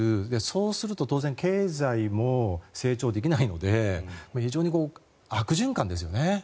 そうすると、当然経済も成長できないので非常に悪循環ですよね。